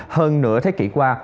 hơn nửa thế kỷ qua